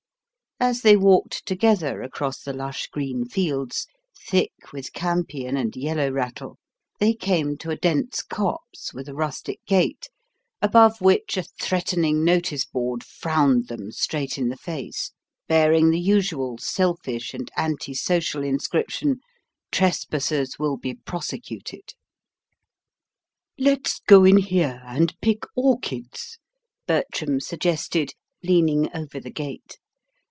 As they walked together across the lush green fields, thick with campion and yellow rattle, they came to a dense copse with a rustic gate, above which a threatening notice board frowned them straight in the face, bearing the usual selfish and anti social inscription, "Trespassers will be prosecuted." "Let's go in here and pick orchids," Bertram suggested, leaning over the gate.